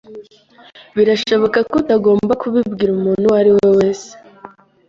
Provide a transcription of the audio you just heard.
Birashoboka ko utagomba kubibwira umuntu uwo ari we wese.